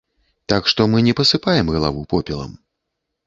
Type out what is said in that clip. Так што мы не пасыпаем галаву попелам.